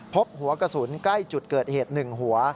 พบหัวกระสุนใกล้จุดเกิดเหตุ๑หัว